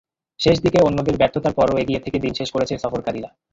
শেষ দিকে অন্যদের ব্যর্থতার পরও এগিয়ে থেকে দিন শেষ করেছে সফরকারীরা।